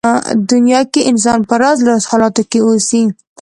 دنيا کې انسان په راز راز حالاتو کې اوسي.